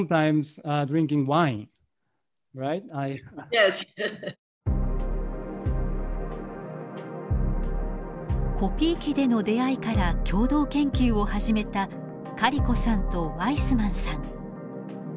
Ｙｅｓ．コピー機での出会いから共同研究を始めたカリコさんとワイスマンさん。